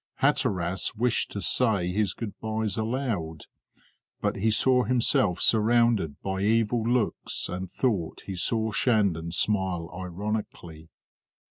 Hatteras wished to say his good byes aloud, but he saw himself surrounded by evil looks and thought he saw Shandon smile ironically.